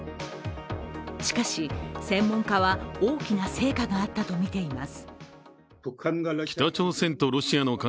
しかし、専門家は大きな成果があったとみています。